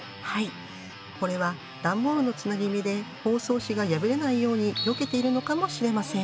これは段ボールのつなぎ目で包装紙が破れないようによけているのかもしれません。